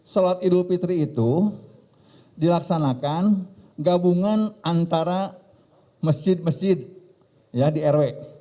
sholat idul fitri itu dilaksanakan gabungan antara masjid masjid di rw